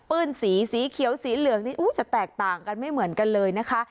ื้นสีสีเขียวสีเหลืองนี่จะแตกต่างกันไม่เหมือนกันเลยนะคะ